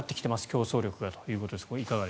競争力がということです。